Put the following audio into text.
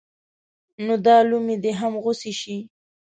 نو دا لومې دې هم غوڅې شي.